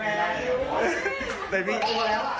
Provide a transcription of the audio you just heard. เป็นพี่เอ๋ส